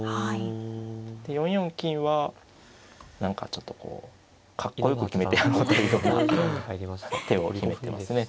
で４四金は何かちょっとこうかっこよく決めてやろうというような手を秘めてますね。